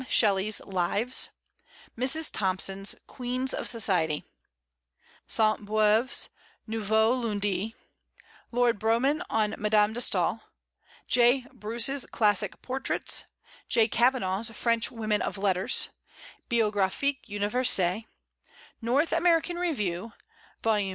Shelly's Lives; Mrs. Thomson's Queens of Society; Sainte Beuve's Nouveaux Lundis; Lord Brougham on Madame de Staël; J. Bruce's Classic Portraits; J. Kavanagh's French Women of Letters; Biographic Universelle; North American Review, vols.